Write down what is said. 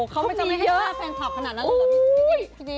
เขาไม่จะมีแค่แฟนคลับขนาดนั้นหรือเป็นทีนี้